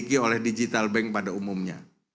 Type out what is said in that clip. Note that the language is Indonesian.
dimiliki oleh digital bank pada umumnya